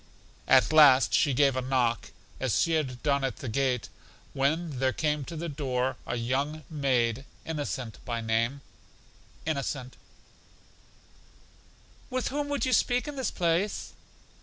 At last she gave a knock, as she had done at the gate, when there came to the door a young maid, Innocent by name. Innocent: With whom would you speak in this place?